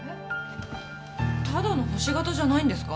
ただの星形じゃないんですか？